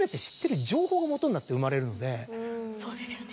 そうですよね。